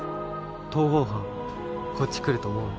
逃亡犯こっち来ると思う？